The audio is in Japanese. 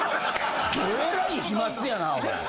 どえらい飛沫やなお前。